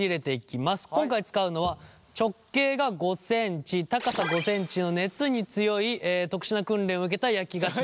今回使うのは直径が５ｃｍ高さ５ｃｍの熱に強い特殊な訓練を受けた焼き菓子の。